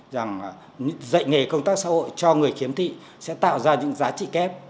dạy nghề công tác xã hội cho người kiếm thị sẽ tạo ra những giá trị kép